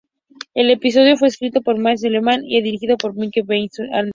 El episodio fue escrito por Matt Selman y dirigido por Mike B. Anderson.